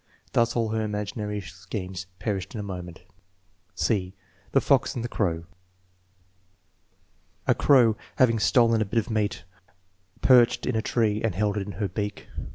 Thus all her imaginary schemes perished in a moment* TEST NO. XH, 5 291 (c) The Fox and the Crow A crow, having stolen a bit of meat, vcrched in a tree and held it in her beak.